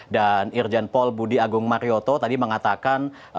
dan irjen paul budi agung marioto tadi mengatakan